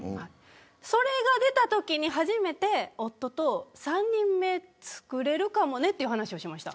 それが出たときに、初めて夫と、３人目つくれるかもねという話をしました。